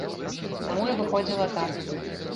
Таму і выходзіла так.